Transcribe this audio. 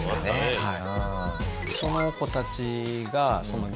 はい。